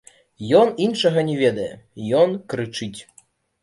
Ён іншага не ведае, ён крычыць.